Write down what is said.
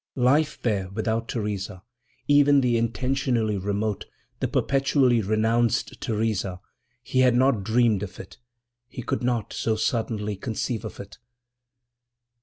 Life there without Theresa, even the intentionally remote, the perpetually renounced Theresa—he had not dreamed of it, he could not, so suddenly, conceive of it.